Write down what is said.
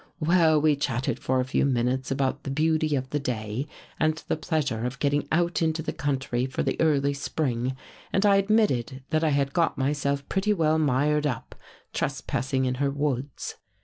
" Well, we chatted for a few minutes about the beauty of the day and the pleasure of getting out into the country for the early spring and I admitted that I had got myself pretty well mired up, tres passing in her woods.